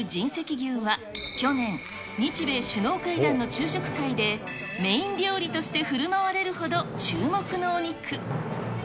牛は去年、日米首脳会談の昼食会で、メイン料理としてふるまわれるほど注目のお肉。